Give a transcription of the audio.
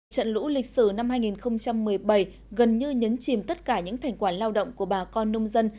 trận lũ lịch sử năm hai nghìn một mươi bảy gần như nhấn chìm tất cả những thành quả lao động của bà con nông dân